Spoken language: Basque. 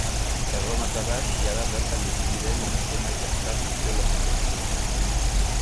Erromatarrak jada bertan bizi ziren eta zenbait aztarna arkeologiko ditu.